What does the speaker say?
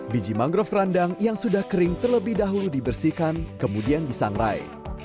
biji mangrove kerandang yang sudah kering terlebih dahulu dibersihkan kemudian disangrai